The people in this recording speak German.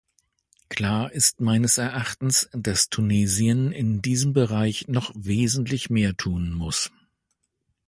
Klar ist meines Erachtens, dass Tunesien in diesem Bereich noch wesentlich mehr tun muss.